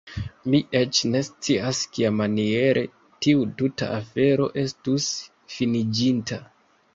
Mi eĉ ne scias kiamaniere tiu tuta afero estus finiĝinta.